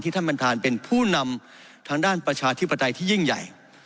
ท่านประธานเป็นผู้นำทางด้านประชาธิปไตยที่ยิ่งใหญ่